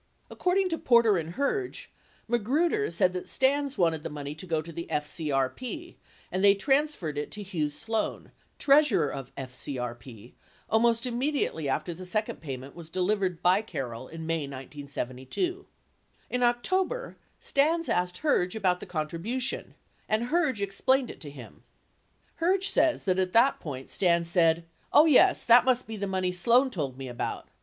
According to Porter and Herge, Magruder said that Stans wanted the money to go to FCRP, and they transferred it to Hugh Sloan, treasurer of FCRP, almost immediately after the second payment was delivered by Carroll in May 1972. In October, Stans asked Herge about the con tribution, and Herge explained it to him. Herge says that at that point, Stans said, "Oh yes, that must be the money Sloan told me about.